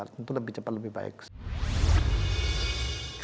tentu lebih cepat lebih baik